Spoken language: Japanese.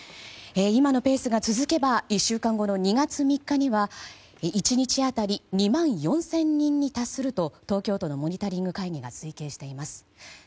今のペースが続けば１週間後の２月３日には１日当たり２万４０００人に達すると東京都のモニタリング会議が推計しています。